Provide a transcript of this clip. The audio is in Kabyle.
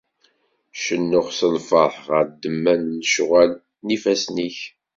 Cennuɣ s lferḥ ɣef ddemma n lecɣwal n yifassen-ik.